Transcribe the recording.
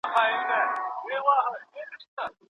او په نهه کلنی کي یې په یوه عام محضر کي